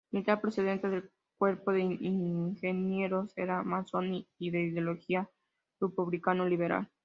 Militar procedente del Cuerpo de ingenieros, era masón y de ideología republicano-liberal.